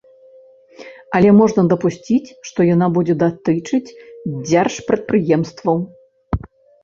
Але можна дапусціць, што яна будзе датычыць дзяржпрадпрыемстваў.